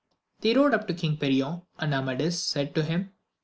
They rode up to King Perion, and Amadis said to him.